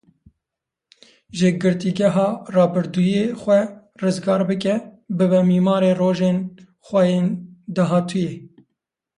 Ji girtîgeha rabirdûyê xwe rizgar bike, bibe mîmarê rojên xwe yên dahatûyê.